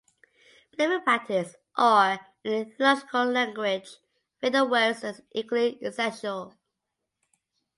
Belief and practice, or, in theological language, faith and works, are equally essential.